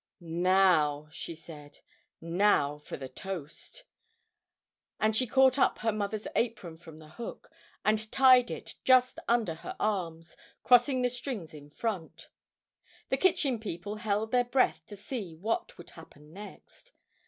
"Now," she said, "now, for the toast," and she caught up her mother's apron from a hook, and tied it just under her arms, crossing the strings in front. The Kitchen People held their breath to see what would happen next.